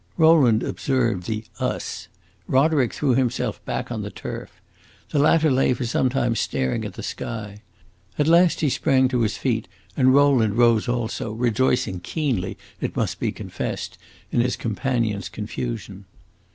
Rowland observed the "us;" Roderick threw himself back on the turf. The latter lay for some time staring at the sky. At last he sprang to his feet, and Rowland rose also, rejoicing keenly, it must be confessed, in his companion's confusion.